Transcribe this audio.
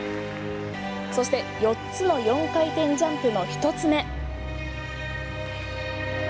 そして４つの４回転ジャンプの１つ目。